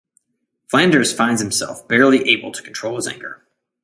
Flanders finds himself barely able to control his anger.